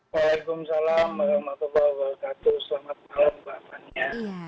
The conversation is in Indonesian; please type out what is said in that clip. waalaikumsalam selamat malam pak mada